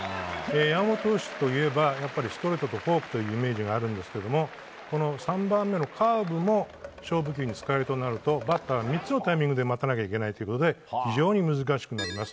山本投手といえばやっぱりストレートとフォークというイメージがありますがこの３番目のカーブも勝負時に使えるとなるとバッター３つのタイミングで待たないといけないとなるので非常に難しくなります。